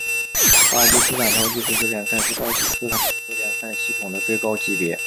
巴基斯坦超级足球联赛是巴基斯坦足球联赛系统的最高级别。